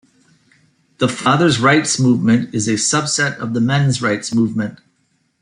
The fathers' rights movement is a subset of the men's rights movement.